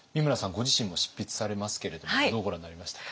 ご自身も執筆されますけれどもどうご覧になりましたか？